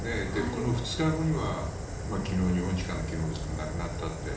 この２日後には日本時間の昨日亡くなったって。